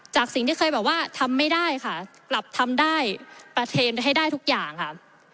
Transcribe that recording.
สิ่งที่เคยบอกว่าทำไม่ได้ค่ะกลับทำได้ประเทศให้ได้ทุกอย่างค่ะ